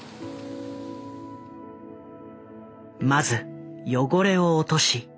まず汚れを落とし